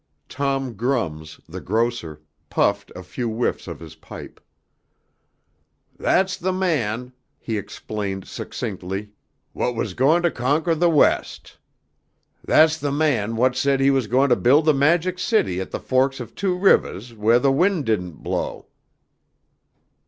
Tom Grums, the grocer, puffed a few whiffs of his pipe. "That's the man," he explained succinctly, "whut was goin' to conquer the West. That's the man whut said he was goin' to build the Magic City at the forks of two rivahs wheah the wind didn't blow."